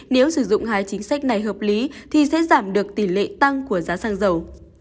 nếu sử dụng hai chính sách này hợp lý thì sẽ giảm được tỷ lệ tăng của giá xăng dầu